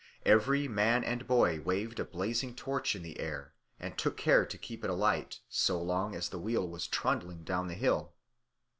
Every man and boy waved a blazing torch in the air, and took care to keep it alight so long as the wheel was trundling down the hill.